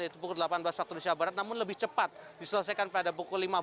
yaitu pukul delapan belas waktu indonesia barat namun lebih cepat diselesaikan pada pukul lima belas